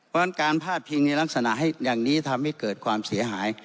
มันการภาดพินิษฐ์ลักษณะอย่างนี้ทำให้เกิดความเสียหาย